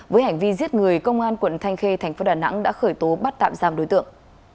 vì giết người công an quận thanh khê thành phố đà nẵng đã khởi tố bắt tạm giam đối tượng